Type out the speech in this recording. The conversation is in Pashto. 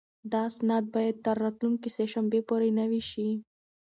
دا اسناد باید تر راتلونکې سه شنبې پورې نوي شي.